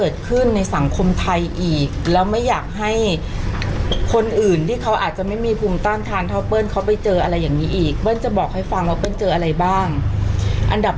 ต้องใช้หลายคลิปเฉพาะหน้า